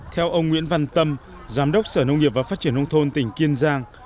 theo ông nguyễn văn tâm giám đốc sở nông nghiệp và phát triển nông thôn tỉnh kiên giang